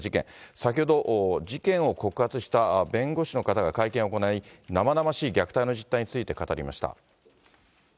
先ほど、事件を告発した弁護士の方が会見を行い、生々しい虐待の実態について語りました。